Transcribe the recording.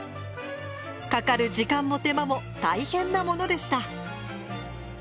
かかる時間も手間も大変なものでした。